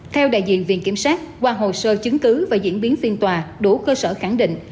theo đại diện viện kiểm soát qua hồ sơ chứng cứ và diễn biến phiên tòa đủ cơ sở khẳng định